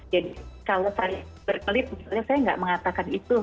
jadi kalau saya berkelip saya nggak mengatakan itu